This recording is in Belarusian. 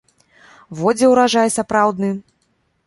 Во дзе ўраджай сапраўдны.